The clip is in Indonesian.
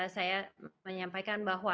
saya menyampaikan bahwa